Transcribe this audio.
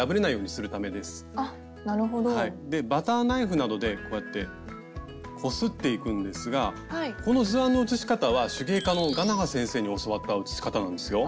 でバターナイフなどでこうやってこすっていくんですがこの図案の写し方は手芸家のがなは先生に教わった写し方なんですよ。